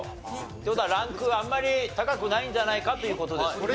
という事はランクあんまり高くないんじゃないかという事ですね。